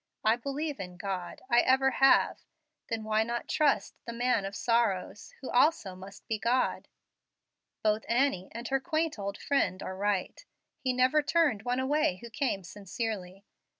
"I believe in God. I ever have. Then why not trust the 'Man of Sorrows,' who also must be God? Both Annie and her quaint old friend are right. He never turned one away who came sincerely.